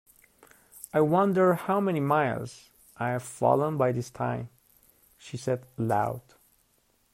‘I wonder how many miles I’ve fallen by this time?’ she said aloud.